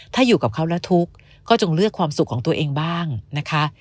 ถ้าอยู่กับเขาและทุกข์ก็จงเลือกความสุขของตัวเองบ้างนะคะ